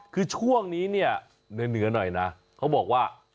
คือช่วงนี้เนื้อหน่อยนะเค้าบอกว่า